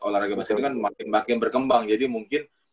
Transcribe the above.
olahraga basket itu kan makin berkembang jadi mungkin